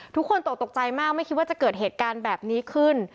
ทุกคนตกตกใจมากไม่คิดว่าจะเกิดเหตุการณ์แบบนี้ขึ้น